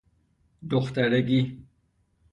دخترگی